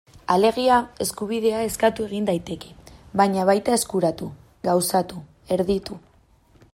Alegia, eskubidea eskatu egin daiteke, baina baita eskuratu, gauzatu, erditu...